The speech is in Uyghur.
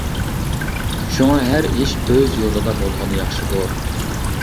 شۇڭا ھەر ئىش ئۆز يولىدا بولغىنى ياخشىدۇر.